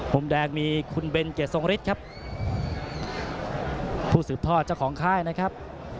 มุมแดงมีคุณเบนเจตทรงฤทธิ์ครับผู้สืบทอดเจ้าของค่ายนะครับ